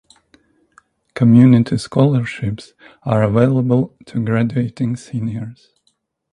Community scholarships are available to graduating seniors.